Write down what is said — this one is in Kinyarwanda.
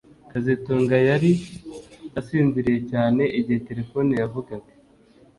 kazitunga yari asinziriye cyane igihe terefone yavugaga